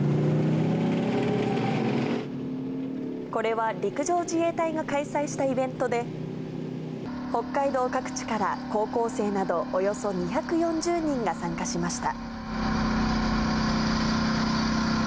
これは陸上自衛隊が開催したイベントで、北海道各地から高校生など、およそ２４０人が参加しました。